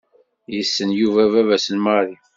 Yessen Yuba baba-s n Mary.